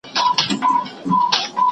آس له کوهي څخه په ډېرې اسانۍ راووت.